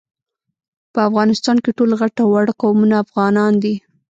په افغانستان کي ټول غټ او واړه قومونه افغانان دي